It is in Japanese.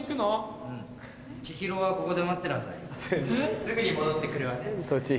すぐに戻って来るわね。